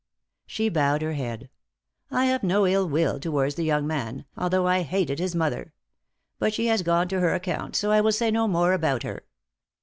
She bowed her head. "I have no ill will towards the young man, although I hated his mother. But she has gone to her account, so I will say no more about her.